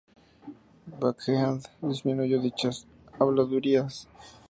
Bankhead desmintió dichas habladurías.